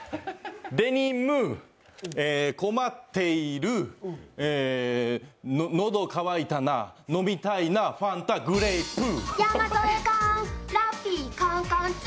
デニム、困っている、喉渇いたな、飲みたいな、ファンタグレープ。